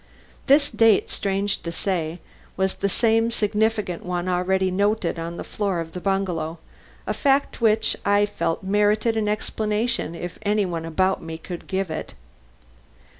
This date strange to say was the same significant one already noted on the floor of the bungalow a fact which I felt merited an explanation if any one about me could give it.